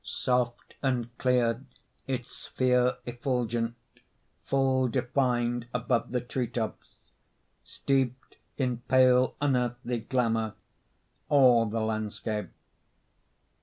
Soft and clear its sphere effulgent, Full defined above the treetops, Steeped in pale unearthly glamor All the landscape.